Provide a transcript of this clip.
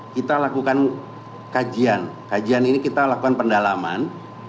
kita lakukan kajian kajian ini kita lakukan pendalaman